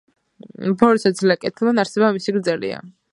ბოროტსა სძლია კეთილმან, არსება მისი გრძელია!